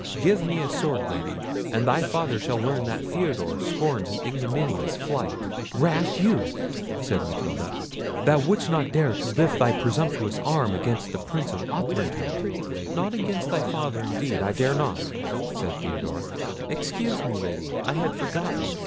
Give me a sword, Lady, and thy father shall learn that Theodore scorns an ignominious flight." "Rash youth!" said Matilda; "thou wouldst not dare to lift thy presumptuous arm against the Prince of Otranto?" "Not against thy father; indeed, I dare not," said Theodore. "Excuse me, Lady; I had forgotten.